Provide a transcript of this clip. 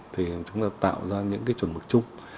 thì chúng ta tạo ra những cái chuẩn mực chung